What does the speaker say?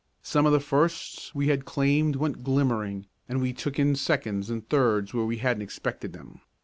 Some of the firsts we had claimed went glimmering and we took in seconds and thirds where we hadn't expected them.